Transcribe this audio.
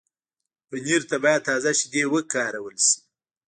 پنېر ته باید تازه شیدې وکارول شي.